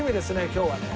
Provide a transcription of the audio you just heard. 今日はね。